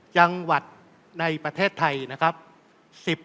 จังหวัดในประเทศไทยนะครับ